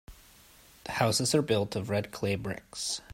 The houses are built of red clay bricks.